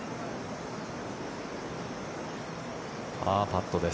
パーパットです。